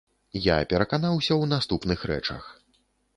Я пераканаўся ў наступных рэчах.